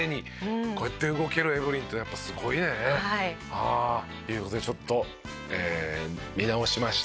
今まさに。という事でちょっと見直しました。